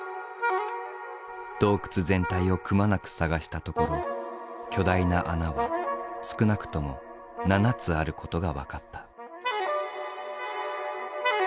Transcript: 洞窟全体をくまなく探したところ巨大な穴は少なくとも７つあることが分かった。